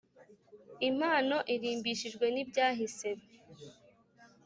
impano irimbishijwe nibyahise: